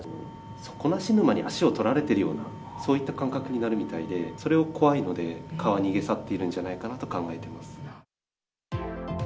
底なし沼に足を取られているような、そういった感覚になるみたいで、それを怖いので、蚊は逃げ去ってるんじゃないかなと考えています。